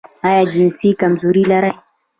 ایا جنسي کمزوري لرئ؟